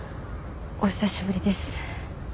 お久しぶりです。